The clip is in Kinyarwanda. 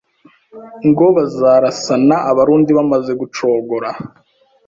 ngo bazarasana Abarundi bamaze gucogora.